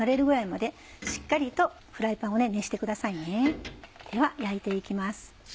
では焼いて行きます。